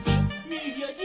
「みぎあし」